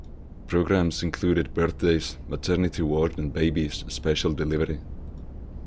Programmes included Birth Days, Maternity Ward and Babies: Special Delivery.